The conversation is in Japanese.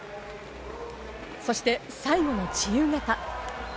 そして最後の自由形。